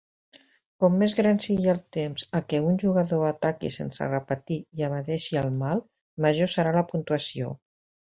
Com més gran sigui el temps a què un jugador atac sense repetir i evadeixi el mal, major serà la puntuació.